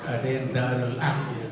ada yang darsul amir